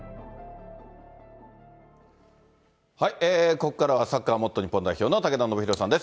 ここからは、サッカー元日本代表の武田修宏さんです。